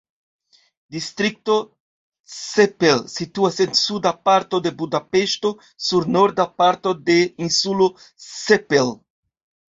Distrikto Csepel situas en suda parto de Budapeŝto sur norda parto de Insulo Csepel.